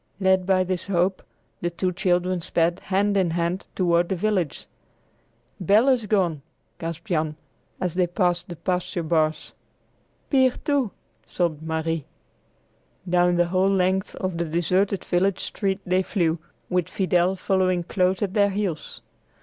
Led by this hope, the two children sped, hand in hand, toward the village. "Bel is gone!" gasped Jan, as they passed the pasture bars. "Pier, too," sobbed Marie. Down the whole length of the deserted village street they flew, with Fidel following close at their heels.